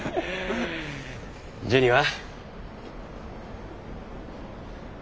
ジュニは？